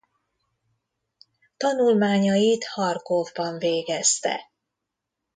Tanulmányait Harkov-ban végezte.